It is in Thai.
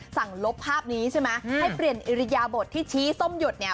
ลบภาพนี้ใช่ไหมให้เปลี่ยนอิริยาบทที่ชี้ส้มหยุดเนี่ย